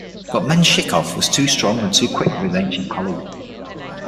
But Menshikov was too strong and too quick for his ancient colleague.